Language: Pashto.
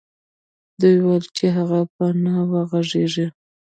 دوی ويل چې هغه به نه وغږېږي.